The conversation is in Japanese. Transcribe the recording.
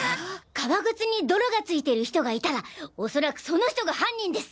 革靴に泥がついてる人がいたらおそらくその人が犯人です！